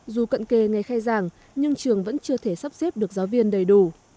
dù cận kề ngày khai giảng nhưng trường vẫn chưa thể sắp xếp được giáo viên đầy đủ